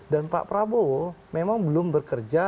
dan pak prabowo memang belum bekerja